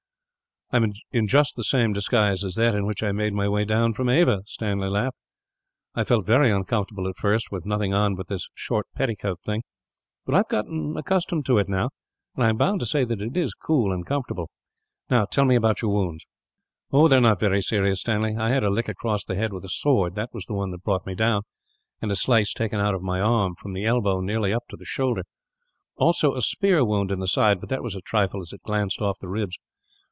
"I am in just the same disguise as that in which I made my way down from Ava," Stanley laughed. "I felt very uncomfortable, at first, with nothing on but this short petticoat thing; but I have got accustomed to it, now, and I am bound to say that it is cool and comfortable. "Now, tell me about your wounds." "They are not very serious, Stanley. I had a lick across the head with a sword that was the one that brought me down and a slice taken out of my arm from the elbow, nearly up to the shoulder. Also a spear wound in the side; but that was a trifle, as it glanced off the ribs.